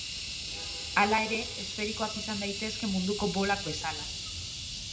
Hala ere, esferikoak izan daitezke munduko bolak bezala.